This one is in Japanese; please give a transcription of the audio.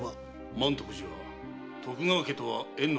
満徳寺は徳川家とは縁の深い寺だ。